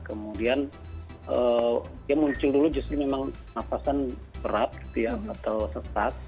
kemudian dia muncul dulu justru memang nafasan berat atau sesak